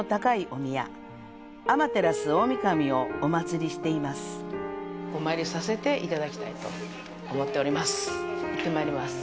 お参りさせていただきたいと思っております。